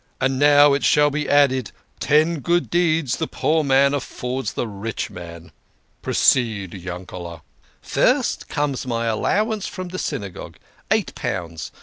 ' And now it shall be added, ' Ten good deeds the poor man affords the rich man.' Proceed, YankeleV' "First comes my allowance from de Synagogue eight pounds.